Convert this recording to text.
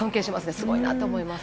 すごいなと思います。